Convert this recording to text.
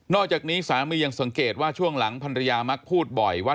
อกจากนี้สามียังสังเกตว่าช่วงหลังภรรยามักพูดบ่อยว่า